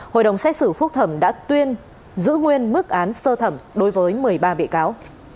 hội đồng xét xử phúc thẩm đã tuyên giữ nguyên mức án sơ thẩm đối với một mươi ba bị cáo